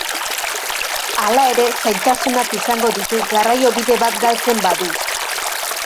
Hala ere sailtasunak izango ditu garraiobide bat galtzen badu.